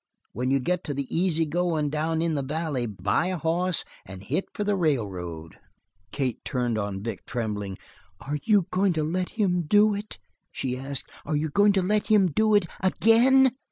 When you get to the easygoin', down in the valley, buy a hoss and hit for the railroad." Kate turned on Vic, trembling. "Are you going to let him do it?" she asked. "Are you going to let him do it, again?"